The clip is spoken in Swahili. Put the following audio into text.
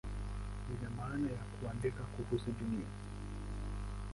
Lina maana ya "kuandika kuhusu Dunia".